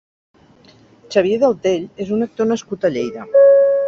Xavier Deltell és un actor nascut a Lleida.